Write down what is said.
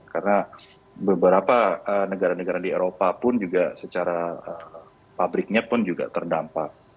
karena beberapa negara negara di eropa pun secara pabriknya pun juga terdampak